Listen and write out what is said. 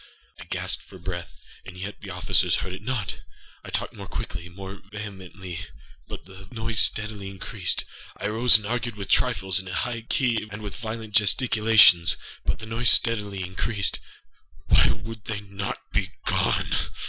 I gasped for breathâand yet the officers heard it not. I talked more quicklyâmore vehemently; but the noise steadily increased. I arose and argued about trifles, in a high key and with violent gesticulations; but the noise steadily increased. Why would they not be gone?